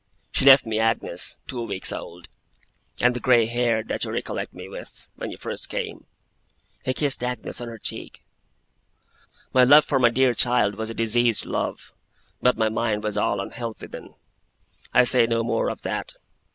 She left me Agnes, two weeks old; and the grey hair that you recollect me with, when you first came.' He kissed Agnes on her cheek. 'My love for my dear child was a diseased love, but my mind was all unhealthy then. I say no more of that.